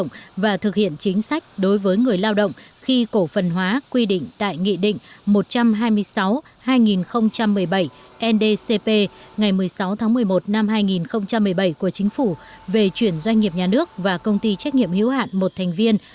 nghị định một trăm hai mươi sáu hai nghìn một mươi bảy ndcp ngày một mươi sáu tháng một mươi một năm hai nghìn một mươi bảy của chính phủ về chuyển doanh nghiệp nhà nước và công ty trách nhiệm hữu hạn một thành viên